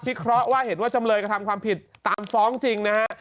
เคราะห์ว่าเห็นว่าจำเลยกระทำความผิดตามฟ้องจริงนะฮะ